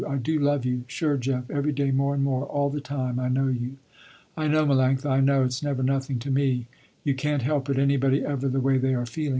I do love you, sure Jeff every day more and more, all the time I know you." "I know Melanctha, I know, it's never nothing to me. You can't help it, anybody ever the way they are feeling.